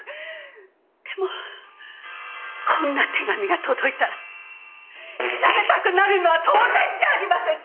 でもこんな手紙が届いたら調べたくなるのは当然じゃありませんか！